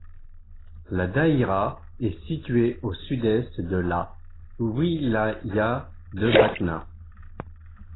La daïra est située au sud-est de la wilaya de Batna.